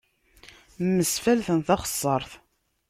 Mmesfalten taxessaṛt.